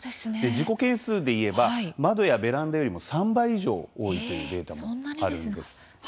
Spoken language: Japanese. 事故件数でいえば窓やベランダよりも３倍以上多いというデータもあるんです。